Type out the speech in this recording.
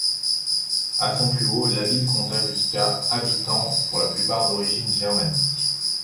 À son plus haut, la ville compta jusqu'à habitants, pour la plupart d'origine germanique.